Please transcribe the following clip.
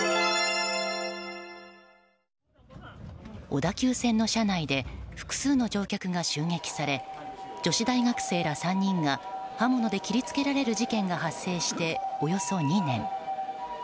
小田急線の車内で複数の乗客が襲撃され女子大学生ら３人が刃物で切り付けられる事件が発生しておよそ２年。